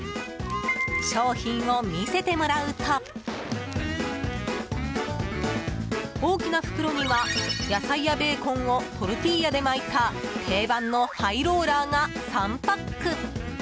商品を見せてもらうと大きな袋には野菜やベーコンをトルティーヤで巻いた定番のハイローラーが３パック。